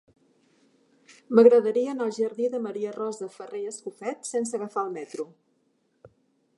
M'agradaria anar al jardí de Maria Rosa Farré i Escofet sense agafar el metro.